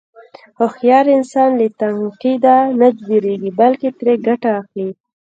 هوښیار انسان له تنقیده نه وېرېږي، بلکې ترې ګټه اخلي.